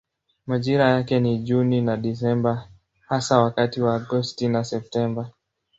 Majira yake ni Juni na Desemba hasa wakati wa Agosti na Septemba.